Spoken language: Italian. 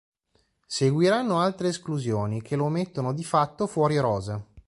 Seguiranno altre esclusioni, che lo mettono di fatto fuori rosa.